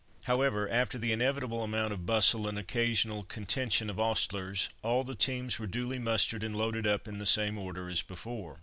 However, after the inevitable amount of bustle and occasional contention of ostlers, all the teams were duly mustered and loaded up in the same order as before.